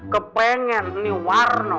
kepengen nih warno